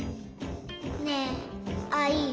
ねえアイ。